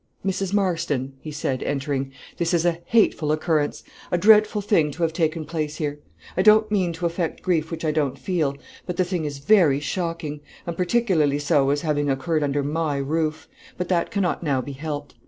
"Mrs. Marston," he said, entering, "this is a hateful occurrence, a dreadful thing to have taken place here; I don't mean to affect grief which I don't feel; but the thing is very shocking, and particularly so, as having occurred under my roof; but that cannot now be helped.